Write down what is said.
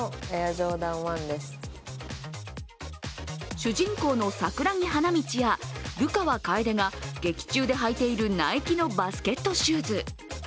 主人公の桜木花道や流川楓が劇中で履いているナイキのバスケットシューズ。